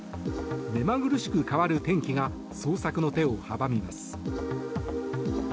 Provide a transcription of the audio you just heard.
目まぐるしく変わる天気が捜索の手を阻みます。